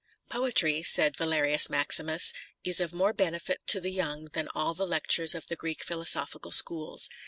" Poetry," said Valerius Maximus, " is of more benefit to the young than all the lectures of the Greek Philosophical Schools."